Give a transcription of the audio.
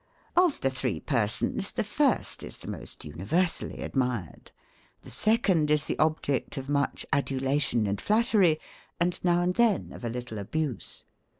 Of the three persons, the first is the most universally admired. The second is the object of much adulation and flattery, and now and then of a little abuse.